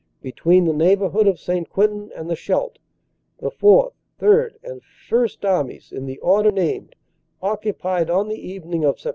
"Between the neighbourhood of St. Quentin and the Scheldt, the Fourth, Third and First Armies in the order named occupied on the evening of Sept.